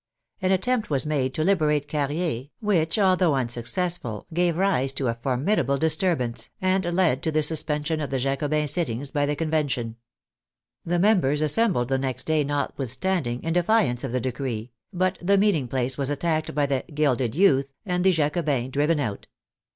An at tempt was made to liberate Carrier, which, although un successful, gave rise to a formidable disturbance, and led to the suspension of the Jacobin sittings by the Con vention. The members assembled the next day notwith standing, in defiance of the decree, but the meeting place 9^ THE FRENCH REVOLUTION was attacked by the " gilded youth," and the Jacobins driven out.